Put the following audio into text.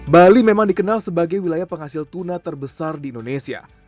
bali memang dikenal sebagai wilayah penghasil tuna terbesar di indonesia